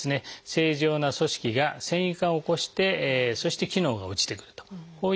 正常な組織が線維化を起こしてそして機能が落ちてくるとこういった病気ですね。